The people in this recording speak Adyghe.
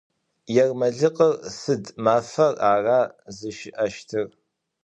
Ермэлыкъыр сыд мафэр ара зыщыӏэщтыр?